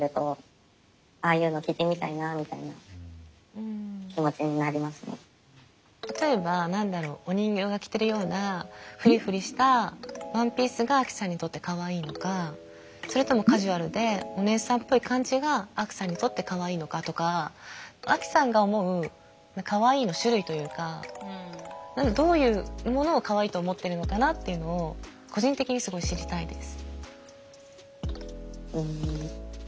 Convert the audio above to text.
うんまあそんな何か例えば何だろうお人形が着てるようなフリフリしたワンピースがアキさんにとってかわいいのかそれともカジュアルでお姉さんっぽい感じがアキさんにとってかわいいのかとかアキさんが思うかわいいの種類というかどういうものをかわいいと思ってるのかなっていうのを個人的にすごい知りたいです。